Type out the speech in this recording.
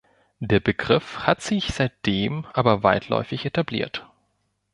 Der Begriff hat sich seitdem aber weitläufig etabliert.